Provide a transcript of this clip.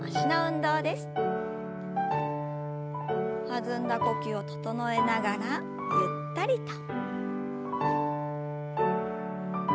弾んだ呼吸を整えながらゆったりと。